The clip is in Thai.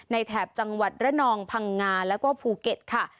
แถบจังหวัดระนองพังงาแล้วก็ภูเก็ตค่ะ